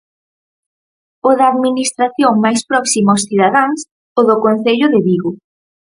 O da Administración máis próxima aos cidadáns, o do Concello de Vigo.